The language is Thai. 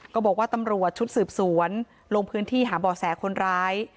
ก็บอกว่าตำรวจชุดสืบสวนลงพื้นที่หาบ่อแสคนร้าย